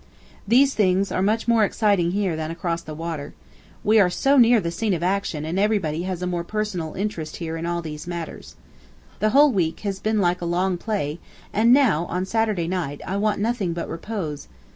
These things are much more exciting here than across the water. We are so near the scene of action and everybody has a more personal interest here in all these matters. The whole week has been like a long play, and now, on Saturday night, I want nothing but repose.